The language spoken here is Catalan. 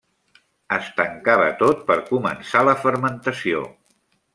Es tancava tot per començar la fermentació.